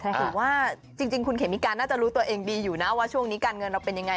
ถือว่าจริงคุณเขมิกาน่าจะรู้ตัวเองดีอยู่นะว่าช่วงนี้การเงินเราเป็นยังไง